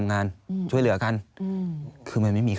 อันดับ๖๓๕จัดใช้วิจิตร